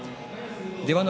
出羽ノ